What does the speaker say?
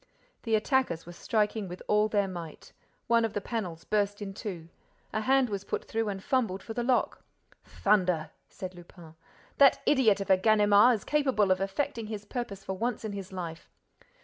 The attackers were striking with all their might. One of the panels burst in two. A hand was put through and fumbled for the lock. "Thunder!" said Lupin. "That idiot of a Ganimard is capable of effecting his purpose for once in his life."